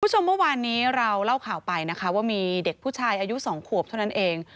คุณผู้ชมเมื่อวานนี้เราเล่าข่าวไปนะคะว่ามีเด็กผู้ชายอายุ๒ขวบเท่านั้นเอง